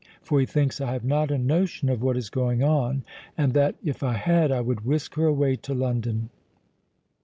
For he thinks I have not a notion of what is going on, and that, if I had, I would whisk her away to London."